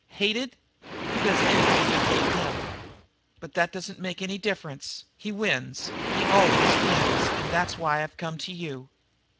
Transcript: Hated? Who does anything but hate him? But that doesn't make any difference. He wins, he always wins, and that's why I've come to you."